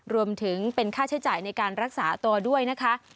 รวมถึงเป็นค่าใช้จ่ายในการรักษาตัวด้วยนะคะ